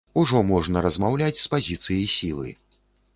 Ужо можна размаўляць з пазіцыі сілы.